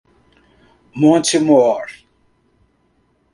Monte Mor